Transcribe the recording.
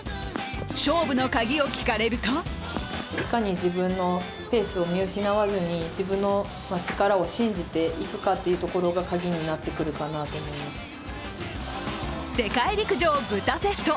勝負のカギを聞かれると世界陸上ブダペスト。